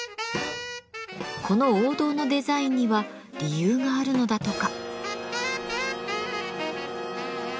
この王道のデザインには理由があるのだとか。